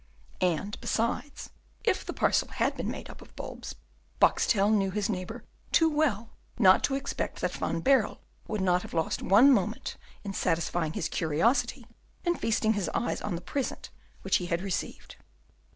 And, besides, if the parcel had been made up of bulbs, Boxtel knew his neighbour too well not to expect that Van Baerle would not have lost one moment in satisfying his curiosity and feasting his eyes on the present which he had received.